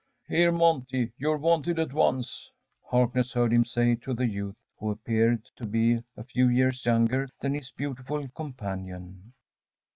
“Here, Monty, you're wanted at once,‚ÄĚ Harkness heard him say to the youth, who appeared to be a few years younger than his beautiful companion.